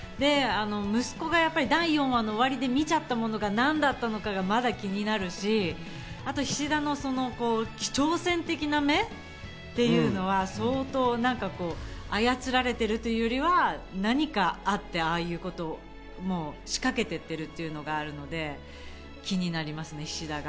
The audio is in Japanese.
息子が第４話の終わりで見ちゃったものが何だったのかがまだ気になるし、あと菱田の挑戦的な目っていうのは相当、あやつられてるというよりは何かあってああいうことを仕掛けていってるというのがあるので気になりますね、菱田が。